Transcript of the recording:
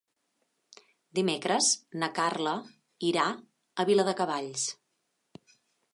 Dimecres na Carla irà a Viladecavalls.